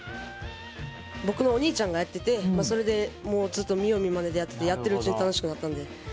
僕のお兄ちゃんがやっててそれでずっと見様見真似でやっててやっているうちに楽しくなったので。